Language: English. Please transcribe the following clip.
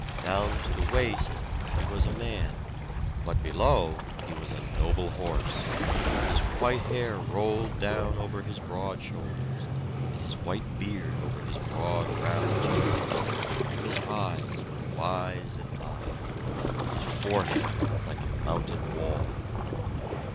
Down to the waist he was a man; but below he was a noble horse; his white hair rolled down over his broad shoulders, and his white beard over his broad brown chest; and his eyes were wise and mild, and his forehead like a mountain wall.